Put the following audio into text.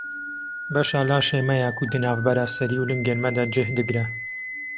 Beşa laşê me ya ku di navbera serî û lingên me de cih digire.